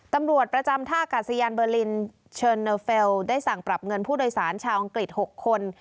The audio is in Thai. ตำรวจประจำท่ากาศยานเบอร์ลินเชิญเนอร์เฟลได้สั่งปรับเงินผู้โดยสารชาวอังกฤษ๖คน